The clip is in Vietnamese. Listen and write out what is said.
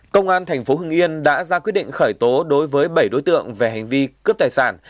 công an tp hưng yên đã ra quyết định khởi tố đối với bảy đối tượng về hành vi cướp tài sản